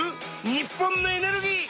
日本のエネルギー。